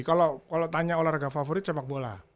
kalau tanya olahraga favorit sepak bola